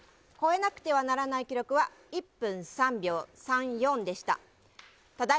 超えなくてはならない記録は、１分３秒３４でした。